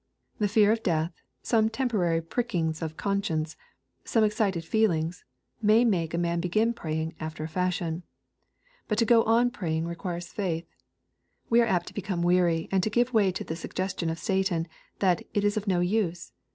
The fear of death, — some temporary prick ings of conscience, — some excited feelings, may make a man begin praying, after a fashion. But to go on pray ing requires faith. We are apt to become weary, and to give way to the suggestion of Satan, that " it is of no use."